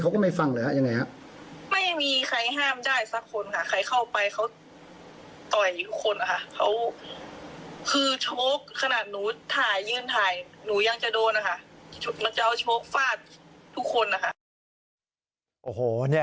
หนูยังจะโดนอะค่ะมันจะเอาโชคฟาดทุกคนอะค่ะโอ้โหเนี่ย